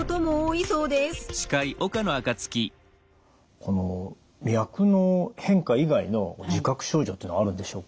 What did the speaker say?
この脈の変化以外の自覚症状っていうのはあるんでしょうか？